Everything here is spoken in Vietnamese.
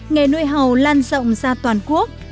nghề nuôi hàu lan rộng ra toàn quốc